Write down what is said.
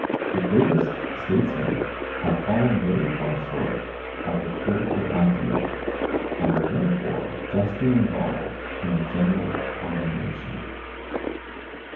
The greatest statesmen have fallen very far short of the political ideal, and are therefore justly involved in the general condemnation.